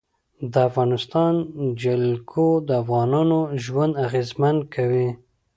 د افغانستان جلکو د افغانانو ژوند اغېزمن کوي.